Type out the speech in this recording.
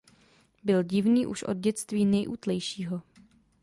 Byl divný už od dětství nejútlejšího.